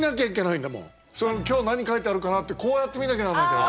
今日何書いてあるかなってこうやって見なきゃならないから。